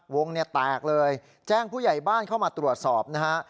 วงเนี่ยแตกเลยแจ้งผู้ใหญ่บ้านเข้ามาตรวจสอบนะฮะ